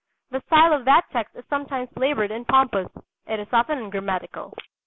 The style of that text is sometimes laboured and pompous; it is often ungrammatical.